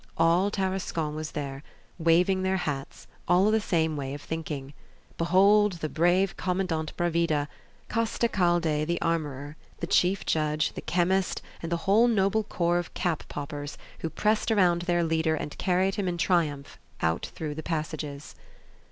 all Tarascon was there, waving their hats, all of the same way of thinking. Behold the brave Commandant Bravida, Costecalde the armourer, the Chief Judge, the chemist, and the whole noble corps of cap poppers, who pressed around their leader, and carried him in triumph out through the passages.